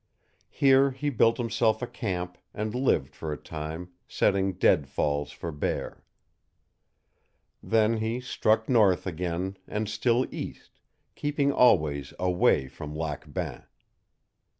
Here he built himself a camp and lived for a time, setting dead falls for bear. Then he struck north again, and still east keeping always away from Lac Bain.